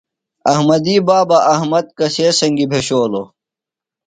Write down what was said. احمدی بابہ احمد کسے سنگیۡ بھشولوۡ؟